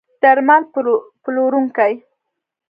درمل پلورونکي